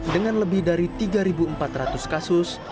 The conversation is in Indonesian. dengan lebih dari tiga empat ratus kasus